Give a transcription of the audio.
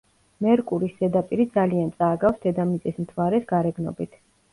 მერკურის ზედაპირი ძალიან წააგავს დედამიწის მთვარეს გარეგნობით.